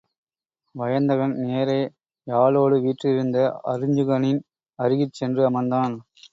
வயந்தகன் நேரே யாழோடு வீற்றிருந்த அருஞ்சுகனின் அருகிற் சென்று அமர்ந்தான்.